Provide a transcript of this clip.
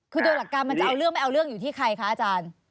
คือโดยหลักการมันจะเอาเรื่องไม่เอาเรื่องอยู่ที่ใครคะอาจารย์